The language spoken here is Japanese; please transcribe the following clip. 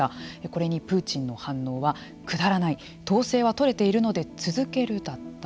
これにプーチンの反応はくだらない統制は取れているので続けるだった。